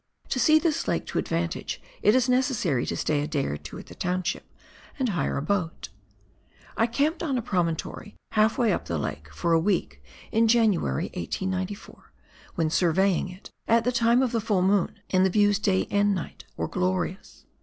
To see this lake to advantage it is necessary to stay a day or two at the township and hire a boat. I camped on a promontory half way up the lake for a week in January, 1894, when surveying it, at the time of the full moon, and the views day and night were glorious.